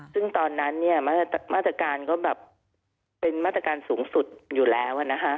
ซึ่งตอนนั้นเนี่ยมาตรการก็แบบเป็นมาตรการสูงสุดอยู่แล้ว